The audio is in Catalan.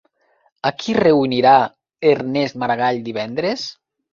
A qui reunirà Ernest Maragall divendres?